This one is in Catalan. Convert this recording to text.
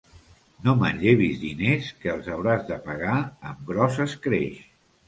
No manllevis diners, que els hauràs de pagar amb gros escreix.